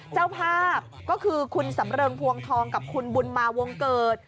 เจ้าภาพก็คือคุณสำเริงพวงทองกับคุณบุญมาวงเกิด